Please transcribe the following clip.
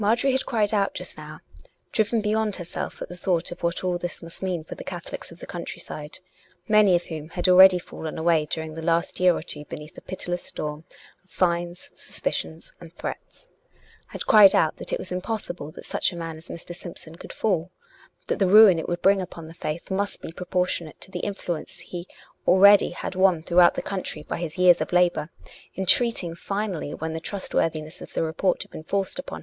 Marjorie had cried out just now, driven beyond herself at the thought of what all this must mean for the Catho lics of the countryside, many of whom already had fallen away during the last year or two beneath the pitiless storm of fines, suspicions, and threats — had cried out that it was impossible that such a man as Mr, Simpson could fall; that the ruin it would bring upon the Faith must be propor tionate to the influence he already had won throughout the country by his years of labour; entreating, finall}'^, when the trustworthiness of the report had been forced upon COME RACK!